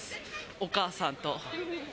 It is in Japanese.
お母さんと。